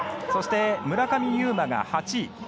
そして、村上右磨が８位。